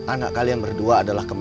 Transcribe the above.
anak kalian berdua akan berada di jakarta